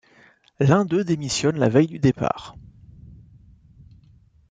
L'un d'eux démissionne la veille du départ.